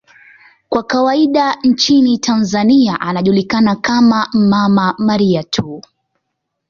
Kwa kawaida nchini Tanzania anajulikana kama 'Mama Maria' tu.